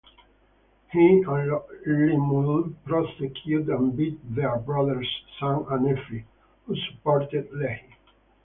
He and Lemuel persecuted and beat their brothers Sam and Nephi, who supported Lehi.